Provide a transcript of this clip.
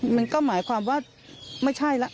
มันก็หมายความว่าไม่ใช่แล้ว